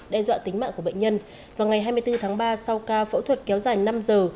đe dọa tính mạng của bệnh nhân vào ngày hai mươi bốn tháng ba sau ca phẫu thuật kéo dài năm giờ